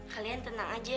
kalian tenang aja